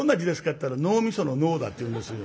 ったら脳みその「脳」だっていうんですよ。